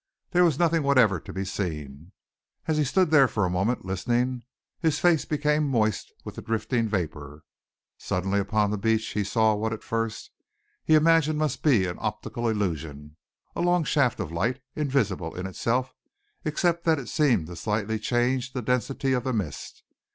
There was nothing whatever to be seen. As he stood there for a moment, listening, his face became moist with the drifting vapour. Suddenly upon the beach he saw what at first he imagined must be an optical illusion a long shaft of light, invisible in itself except that it seemed to slightly change the density of the mist.